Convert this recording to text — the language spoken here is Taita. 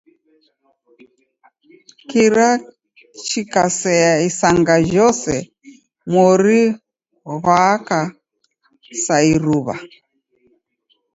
Kira chikasea isanga jose mori ghwaaka sa iruw'a.